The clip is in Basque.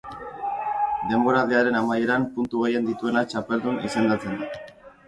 Denboraldiaren amaieran puntu gehien dituena txapeldun izendatzen da.